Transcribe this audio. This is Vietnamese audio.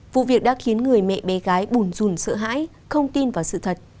vụ việc đã khiến người mẹ bé gái bùn dùn sợ hãi không tin vào sự thật